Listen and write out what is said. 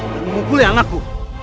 dan memukul yang anakku